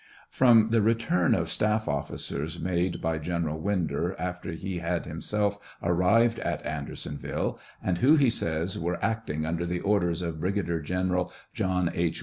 From the return of staff officers made by General Winder after he had him self arrived at Andersonville, and who he says were " acting under the orders of Brigadier General John H.